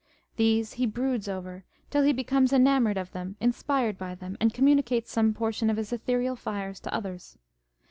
These he broods over, till he becomes enamoured of them, inspired by them, and communicates some portion of his ethereal fires to others.